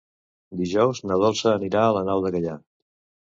Dijous na Dolça anirà a la Nou de Gaià.